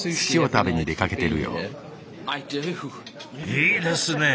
いいですねえ！